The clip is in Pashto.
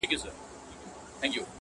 په جرس د ابادۍ د قافیلو به راویښ نه سم,